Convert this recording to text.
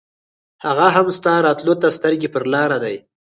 هغه هم ستا راتلو ته سترګې پر لار دی.